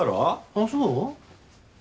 あっそう？